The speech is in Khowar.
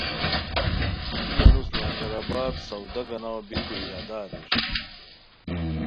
ای انوس لنگر آباد سودا گاناؤ بیکو ارادہ اریر